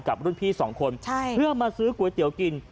กับรุ่นพี่สองคนเพื่อมาซื้อก๋วยเตี๋ยวกิน